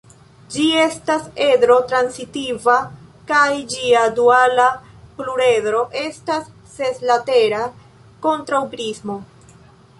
Ĝi estas edro-transitiva kaj ĝia duala pluredro estas seslatera kontraŭprismo.